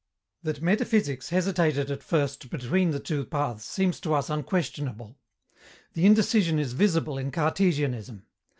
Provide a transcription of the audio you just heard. _ That metaphysics hesitated at first between the two paths seems to us unquestionable. The indecision is visible in Cartesianism.